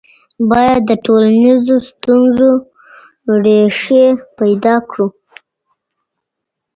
باید د ټولنیزو ستونزو ریښې پیدا کړو.